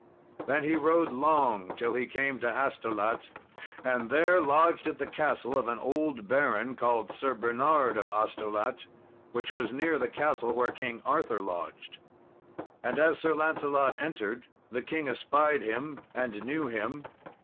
Then he rode long till he came to Astolat, and there lodged at the castle of an old baron called Sir Bernard of Astolat, which was near the castle where King Arthur lodged. And as Sir Lancelot entered the king espied him, and knew him.